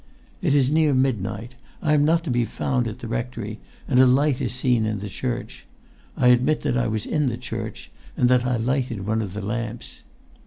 It is near midnight. I am not to be found at the rectory, and a light is seen in the church. I admit that I was in the church, and that I lighted one of the lamps.